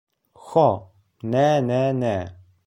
Ho, ne, ne, ne!